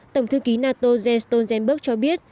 tổng thư ký nato jens stolzenberg cho biết